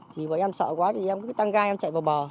thì bọn em sợ quá thì em cứ tăng ga em chạy vào bờ